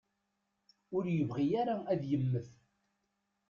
Ur yebɣi ara ad yemmet.